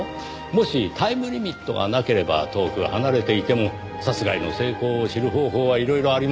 もしタイムリミットがなければ遠く離れていても殺害の成功を知る方法はいろいろありますがね。